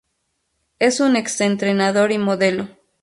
Es un ex entrenador y modelo.